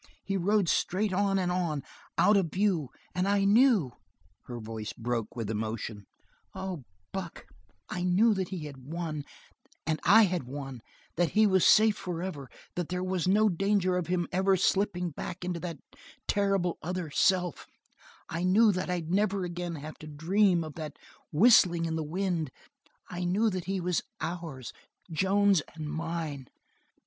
He rode straight on and on, out of view, and I knew" her voice broke with emotion "oh, Buck, I knew that he had won, and I had won; that he was safe forever; that there was no danger of him ever slipping back into that terrible other self; I knew that I'd never again have to dream of that whistling in the wind; I knew that he was ours Joan's and mine."